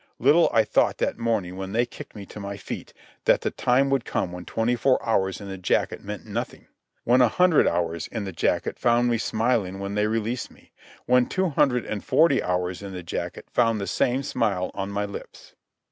Little I thought that morning when they kicked me to my feet that the time would come when twenty four hours in the jacket meant nothing; when a hundred hours in the jacket found me smiling when they released me; when two hundred and forty hours in the jacket found the same smile on my lips.